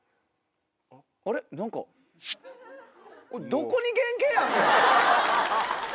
どこに原形あんねん⁉